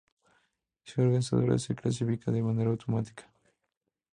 La ciudad organizadora se clasifica de manera automática.